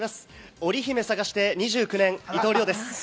織り姫探して２９年、伊藤遼です。